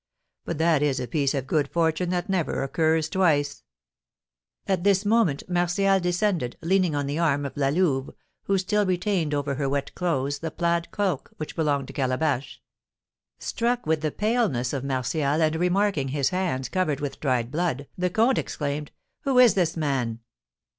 But that is a piece of good fortune that never occurs twice!" At this moment Martial descended, leaning on the arm of La Louve, who still retained over her wet clothes the plaid cloak which belonged to Calabash. Struck with the paleness of Martial, and remarking his hands covered with dried blood, the comte exclaimed, "Who is this man?"